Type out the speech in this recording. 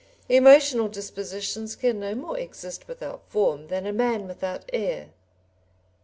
Emotional dispositions can no more exist without form than a man without air.